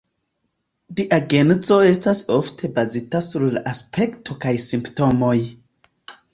Diagnozo estas ofte bazita sur la aspekto kaj simptomoj.